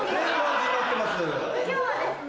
今日はですね